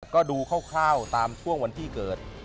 ก็ดูคร่าวตามช่วงวันที่เกิด